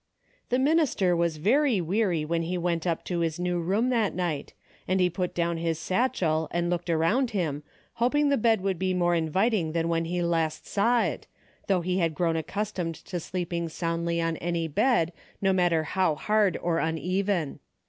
The minister was very weary when he went up to his new room that night, and he put down his satchel and looked around him hoping the bed would be more inviting than when last he saw it, though he had grown ac customed to sleeping soundly on any bed no matter how hard or uneven.